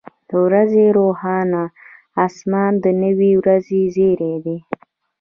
• د ورځې روښانه اسمان د نوې ورځې زیری دی.